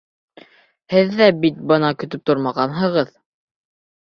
Һеҙ ҙә бит бына көтөп тормағанһығыҙ.